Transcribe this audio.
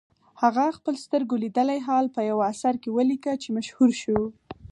هغه خپل سترګو لیدلی حال په یوه اثر کې ولیکه چې مشهور شو.